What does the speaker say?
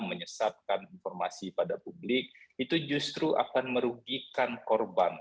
menyesatkan informasi pada publik itu justru akan merugikan korban